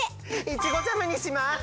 いちごジャムにします！